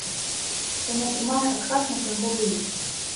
Што не атрымае адказ на чарговы ліст.